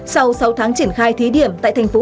sau sáu tháng triển khai thí điểm tại tp hcm